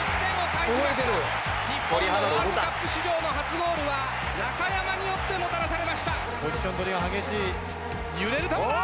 日本のワールドカップ史上の初ゴールは中山によってもたらされました。